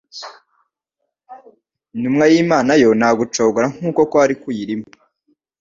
Intumwa y'Imana yo nta gucogora nk'uko kwari kuyirimo,